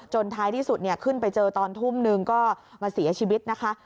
ท้ายที่สุดขึ้นไปเจอตอนทุ่มนึงก็มาเสียชีวิตนะคะ